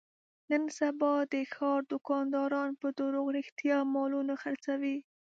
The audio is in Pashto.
نن سبا د ښاردوکانداران په دروغ رښتیا مالونه خرڅوي.